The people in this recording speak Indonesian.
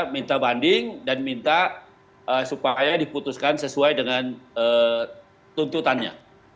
minta banding dan minta supaya diputuskan sesuai dengan tuntutannya